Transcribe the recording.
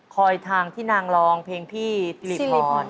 คอยทางที่นางรองเพลงพี่ซิลิพรซิลิพร